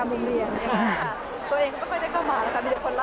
ตัวเองก็ก็ไม่ได้เข้ามานะคะมีเด็กคนรักค่ะ